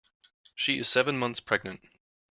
She is seven months pregnant.